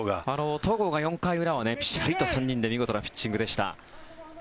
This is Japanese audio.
戸郷が４回裏をぴしゃりと３人で見事なピッチングでした。